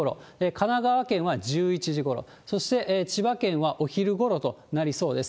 神奈川県は１１時ごろ、そして千葉県はお昼ごろとなりそうです。